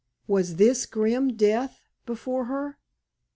Was this grim death before her?